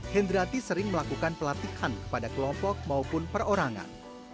hendrati sering melakukan pelatihan kepada kelompok maupun perorangan